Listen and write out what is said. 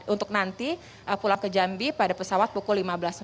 untuk nanti pulang ke jambi pada pesawat pukul lima belas